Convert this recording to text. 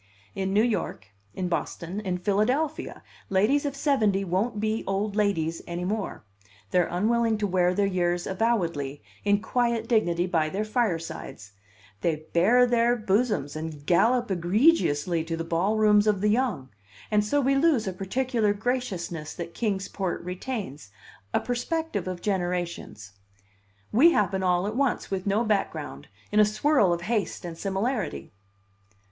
In New York, in Boston, in Philadelphia, ladies of seventy won't be old ladies any more; they're unwilling to wear their years avowedly, in quiet dignity by their firesides; they bare their bosoms and gallop egregiously to the ball rooms of the young; and so we lose a particular graciousness that Kings Port retains, a perspective of generations. We happen all at once, with no background, in a swirl of haste and similarity.